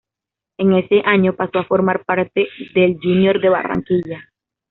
En ese año pasó a formar parte del Junior de Barranquilla.